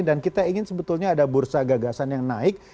dan kita ingin sebetulnya ada bursa gagasan yang naik